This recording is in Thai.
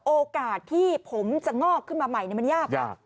โอกาสที่ผมจะงอกขึ้นมาใหม่มันยากยาก